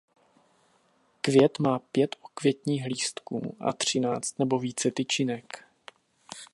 Květ má pět okvětních lístků a třináct nebo více tyčinek.